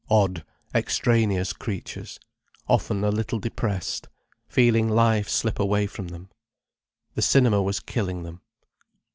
Odd, extraneous creatures, often a little depressed, feeling life slip away from them. The cinema was killing them.